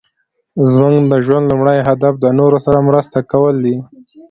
زموږ د ژوند لومړی هدف د نورو سره مرسته کول دي.